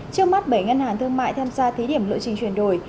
trước mắt bảy ngân hàng thương mại tham gia thí điểm lộ trình chuyển đổi